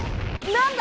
何だ？